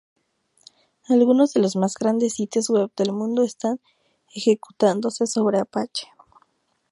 Algunos de los más grandes sitios web del mundo están ejecutándose sobre Apache.